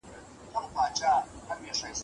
ګورګین غوښتل چې میرویس خان له پښو وغورځوي.